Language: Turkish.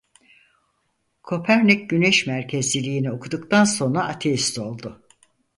Kopernik Güneşmerkezliliğini okuduktan sonra ateist oldu.